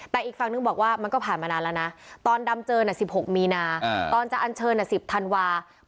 แต่อีกฝั่งนึงบอกว่ามันก็ผ่านมานานแล้วนะตอนดำเจอ๑๖มีนาตอนจะอันเชิญ๑๐ธันวาคม